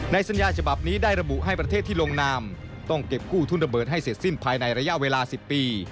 สัญญาฉบับนี้ได้ระบุให้ประเทศที่ลงนามต้องเก็บกู้ทุนระเบิดให้เสร็จสิ้นภายในระยะเวลา๑๐ปี